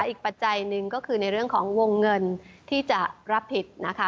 ปัจจัยหนึ่งก็คือในเรื่องของวงเงินที่จะรับผิดนะคะ